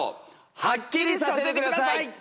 はっきりさせてください！